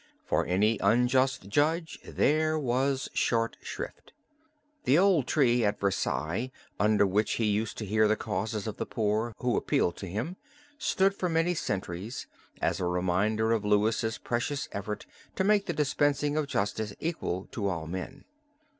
For an unjust judge there was short shrift. The old tree at Versailles, under which he used to hear the causes of the poor who appealed to him, stood for many centuries as a reminder of Louis' precious effort to make the dispensing of justice equal to all men.